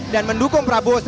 dan mendukung prabowo sebetulnya